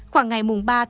khoảng ngày ba một mươi một